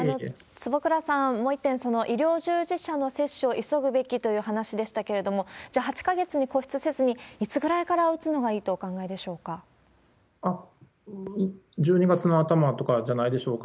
坪倉さん、もう一点、医療従事者の接種を急ぐべきという話でしたけれども、じゃあ、８か月に固執せずに、いつぐらいから打つ１２月の頭とかじゃないでしょうか。